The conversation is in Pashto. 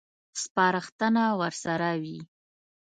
سپارښتنه ورسره وي.